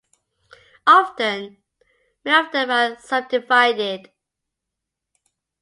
Often, many of them are subdivided.